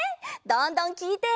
どんどんきいて！